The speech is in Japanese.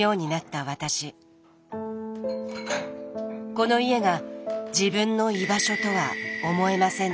この家が自分の居場所とは思えませんでした。